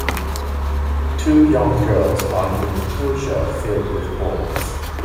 Two young girls are in an enclosure filled with balls.